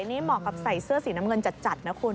นี่เหมาะกับใส่เสื้อสีน้ำเงินจัดนะคุณ